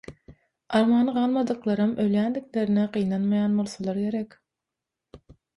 Armany galmadyklaram ölýändiklerine gynanmaýan bolsalar gerek.